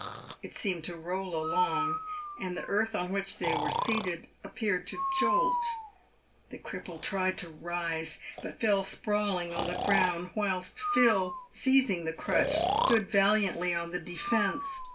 It seemed to roll along, and the earth on which they were seated ap peared to jolt. The cripple tried to rise, but fell sprawling on the ground, whilst Phil, seizing the crutch, stood valiantly on the defence.